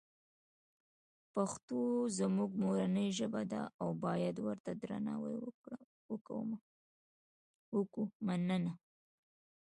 پښتوزموږمورنی ژبه ده اوبایدورته درناوی وکومننه